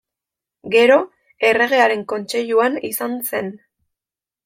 Gero erregearen kontseiluan izan zen.